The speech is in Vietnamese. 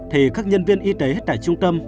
thì các nhân viên y tế tại trung tâm